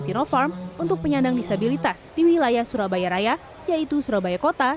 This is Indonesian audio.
sinopharm untuk penyandang disabilitas di wilayah surabaya raya yaitu surabaya kota